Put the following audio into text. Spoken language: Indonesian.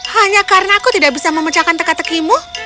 hanya karena aku tidak bisa memecahkan teka tekimu